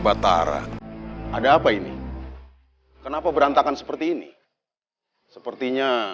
martian gimana kalau kau biodata télébensi besarnya